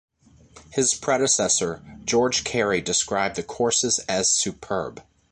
His predecessor, George Carey described the courses as superb.